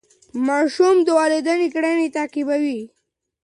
ماشومان د والدینو کړنې تعقیبوي.